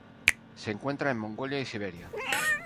Se encuentra en Mongolia y Siberia.